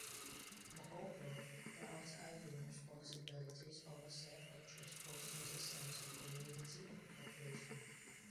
Moreover, prioritizing responsibilities over self-interest fosters a sense of community and cooperation.